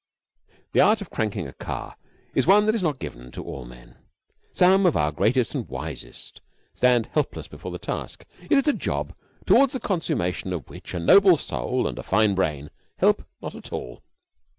The art of cranking a car is one that is not given to all men. Some of our greatest and wisest stand helpless before the task. It is a job towards the consummation of which a noble soul and a fine brain help not at all.